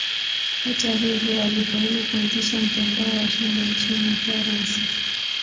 Hata hivyo alifaulu kuanzisha mtandao wa shule nchini Ufaransa.